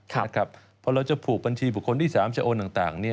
เพราะเราจะผูกบัญชีบุคคลที่๓จะโอนต่าง